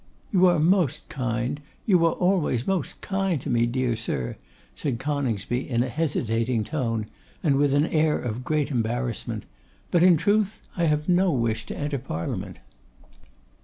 'You are most kind, you are always most kind to me, dear sir,' said Coningsby, in a hesitating tone, and with an air of great embarrassment, 'but, in truth, I have no wish to enter Parliament.